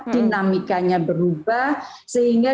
dinamikanya berubah sehingga